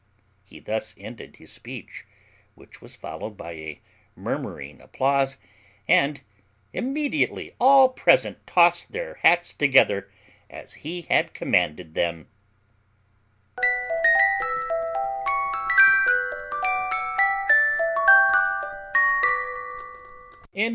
He thus ended his speech, which was followed by a murmuring applause, and immediately all present tossed their hats together as he had commanded them.